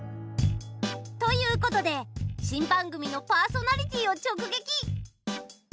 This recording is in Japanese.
ということで新番組のパーソナリティーを直撃。